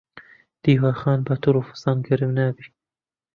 دیوەخان بە تڕ و فسان گەرم نابی.